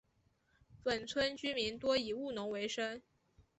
本村居民多以务农为生。